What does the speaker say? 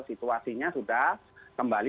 situasinya sudah kembali